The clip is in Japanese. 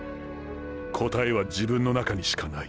答えは自分の中にしかない。